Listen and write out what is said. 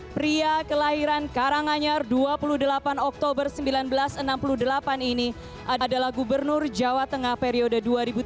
pria kelahiran karanganyar dua puluh delapan oktober seribu sembilan ratus enam puluh delapan ini adalah gubernur jawa tengah periode dua ribu tujuh belas dua ribu